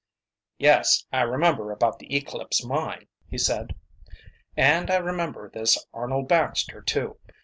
"Yes, I remember about the Eclipse Mine," he said. "And I remember this Arnold Baxter, too.